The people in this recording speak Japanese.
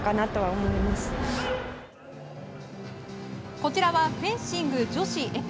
こちらはフェンシング女子エペ。